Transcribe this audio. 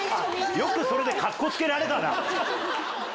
よくそれでカッコつけられたな。